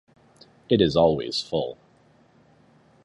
It is always full.